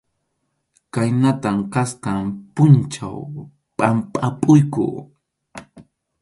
Khaynatam kasqan pʼunchaw pʼampapuyku.